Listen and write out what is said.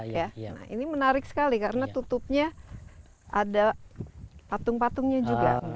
nah ini menarik sekali karena tutupnya ada patung patungnya juga